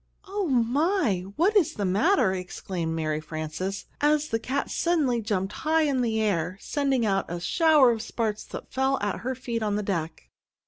"Oh, my, what is the matter!" exclaimed Mary Frances, as the cat suddenly jumped high in the air, sending out a shower of sparks that fell at her feet on the deck.